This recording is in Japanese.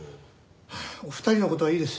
お二人の事はいいです。